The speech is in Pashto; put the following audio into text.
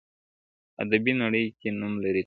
• ادبي نړۍ کي نوم لري تل..